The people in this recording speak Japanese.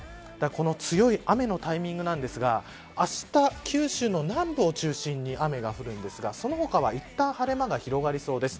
この強い雨のタイミングですがあした、九州の南部を中心に雨が降るんですがその他はいったん晴れ間が広がりそうです。